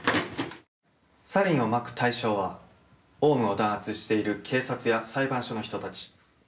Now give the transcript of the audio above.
サリンをまく対象はオウムを弾圧している警察や裁判所の人たち。